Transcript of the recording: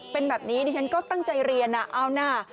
เป็นแบบนี้ดิฉันก็ตั้งใจเรียนเอานะ